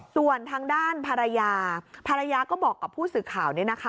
ส่วนทางด้านภรรยาภรรยาก็บอกกับผู้สื่อข่าว